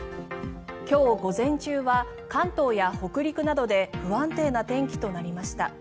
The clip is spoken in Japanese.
今日、午前中は関東や北陸などで不安定な天気となりました。